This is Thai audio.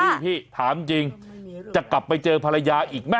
นี่พี่ถามจริงจะกลับไปเจอภรรยาอีกไหม